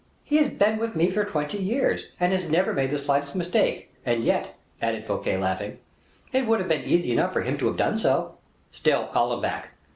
He has been with me for twenty years, and has never made the slightest mistake, and yet," added Fouquet, laughing, "it would have been easy enough for him to have done so." "Still, call him back.